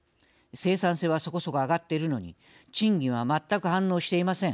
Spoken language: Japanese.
生産性はそこそこ上がっているのに賃金は全く反応していません。